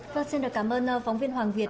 vâng xin đợi cảm ơn phóng viên hoàng việt